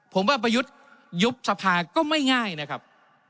ผมว่าประยุทธ์ยุบสภาก็ไม่ง่ายนะครับ